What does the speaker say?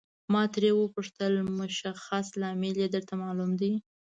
ما ترې وپوښتل مشخص لامل یې درته معلوم دی.